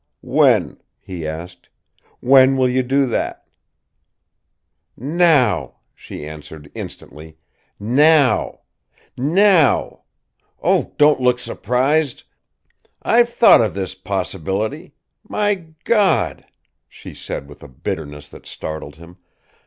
"When?" he asked. "When will you do that?" "Now," she answered instantly. "Now! Now! Oh, don't look surprised. I've thought of this possibility. My God!" she said with a bitterness that startled him.